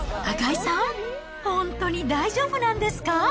赤井さん、本当に大丈夫なんですか？